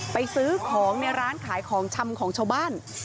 ซื้อของในร้านขายของชำของชาวบ้าน